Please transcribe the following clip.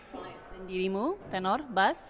dan dirimu tenor bass